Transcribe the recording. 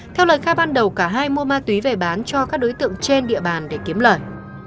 theo lời khai ban đầu cả hai mua ma túy về bán cho các đối tượng trên địa bàn để kiếm lời